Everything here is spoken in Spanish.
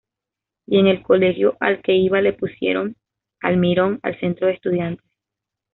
Y en el colegio al que iba le pusieron Almirón al centro de estudiantes.